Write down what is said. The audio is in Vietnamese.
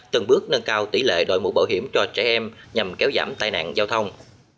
từng bước nâng cao tỷ lệ đội mũ bảo hiểm cho trẻ em nhằm kéo giảm tai nạn giao thông